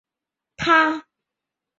它以有时不变红就成熟而得名。